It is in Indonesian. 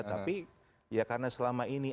tapi karena selama ini